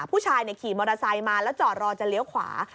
ผู้ชายขี่มอเตอร์ไซค์มาแล้วจอดรอจะเลี้ยวขวา